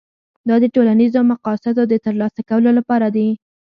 دا د ټولنیزو مقاصدو د ترلاسه کولو لپاره دي.